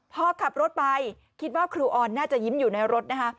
พอขับรถไปคิดว่าครูออนน่าจะยิ้มอยู่ในรถนะคะ